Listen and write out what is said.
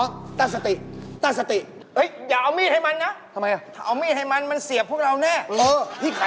ขอไปก่อนนะหลานกูเองเล็ก